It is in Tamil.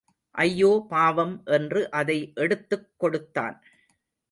ஐயோ பாவம் என்று அதை எடுத்துக் கொடுத்தான்.